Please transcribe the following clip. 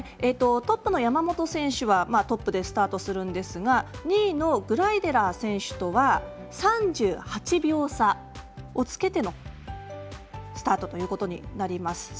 トップの山本選手はトップでスタートするんですが２位のグライデラー選手とは３８秒差をつけてのスタートということになります。